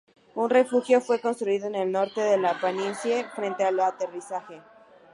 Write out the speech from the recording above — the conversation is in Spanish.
Un refugio fue construido en el norte de la planicie frente al aterrizaje.